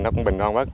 nó cũng bình an bất